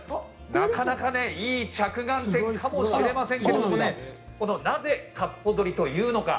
なかなかいい着眼点かもしれませんけどなぜかっぽ鶏というのか。